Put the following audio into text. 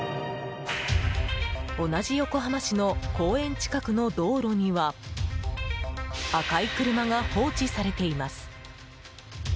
同じ横浜市の公園近くの道路には赤い車が放置されています。